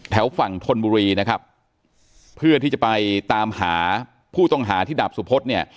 แถวฝั่งธนบุรีนะครับเพื่อที่จะไปตามหาผู้ต้องหาที่ดาบสุพธเนี่ย